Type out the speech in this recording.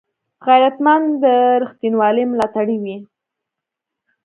غیرتمند د رښتینولۍ ملاتړی وي